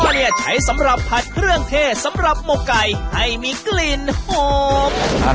เนี่ยใช้สำหรับผัดเครื่องเทศสำหรับหมกไก่ให้มีกลิ่นหอม